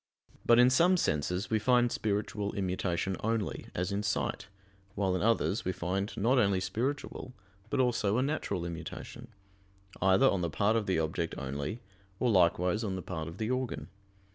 But in some senses we find spiritual immutation only, as in sight: while in others we find not only spiritual but also a natural immutation; either on the part of the object only, or likewise on the part of the organ.